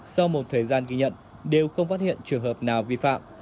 sau một thời gian ghi nhận đều không phát hiện trường hợp nào vi phạm